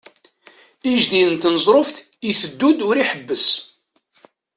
Ijdi n tneẓruft iteddu-d ur iḥebbes.